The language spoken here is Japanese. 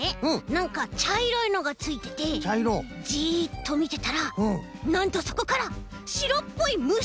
なんかちゃいろいのがついててジッとみてたらなんとそこからしろっぽいむしがでてきたんだよね！